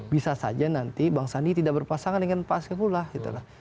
bisa saja nanti bang sandi tidak berpasangan dengan pak saifullah gitu